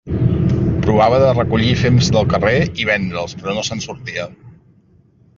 Provava de recollir fems del carrer i vendre'ls, però no se'n sortia.